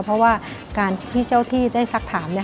เพราะว่าการที่เจ้าที่ได้สักถาม